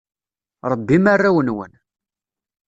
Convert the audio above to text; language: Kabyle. Rebbim arraw-nwen.